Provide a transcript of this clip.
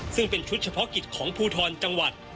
ซึ่งเป็นชุดเฉพาะกิจของภูทรจังหวัด